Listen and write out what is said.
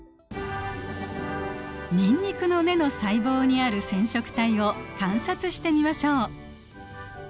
ニンニクの根の細胞にある染色体を観察してみましょう。